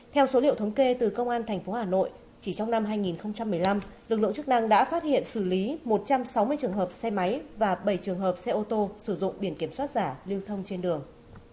theo số liệu thống kê từ công an tp hà nội chỉ trong năm hai nghìn một mươi năm lực lượng chức năng đã phát hiện xử lý một trăm sáu mươi trường hợp xe máy và bảy trường hợp xe ô tô sử dụng biển kiểm soát giả lưu thông trên đường